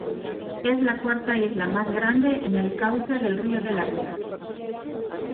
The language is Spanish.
Es la cuarta isla más grande en el cauce del río Delaware.